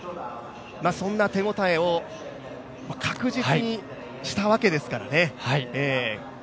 そんな手応えを確実にしたわけですからね。